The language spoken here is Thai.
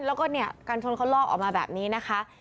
แล้วก็เนี่ยกันชนเขาลอกออกมาแบบนี้นะคะ